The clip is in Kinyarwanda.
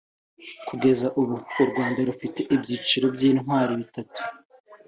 Kugeza ubu u Rwanda rufite ibyiciro by’intwari bitatu